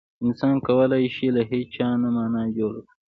انسان کولای شي له هېڅه مانا جوړ کړي.